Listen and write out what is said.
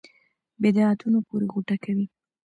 بدعتونو پورې غوټه کوي.